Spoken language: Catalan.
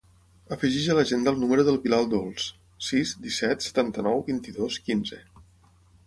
Afegeix a l'agenda el número del Bilal Dols: sis, disset, setanta-nou, vint-i-dos, quinze.